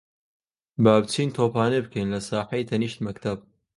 با بچین تۆپانێ بکەین لە ساحەی تەنیشت مەکتەب.